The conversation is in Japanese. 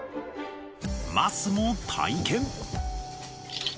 桝も体験。